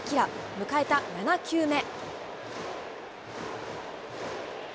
迎えた７球目。